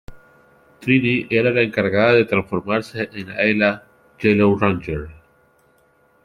Trini era la encargada de transformarse en la "Yellow Ranger".